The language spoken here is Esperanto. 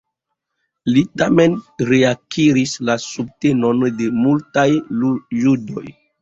Li tamen reakiris la subtenon de multaj judoj.